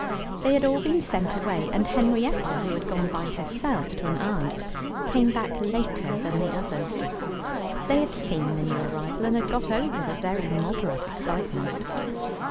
They had all been sent away, and Henrietta, who had gone by herself to an aunt, came back later than the others; they had seen the new arrival, and had got over their very moderate excitement.